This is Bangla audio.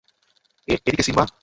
এদিকে, সিম্বা!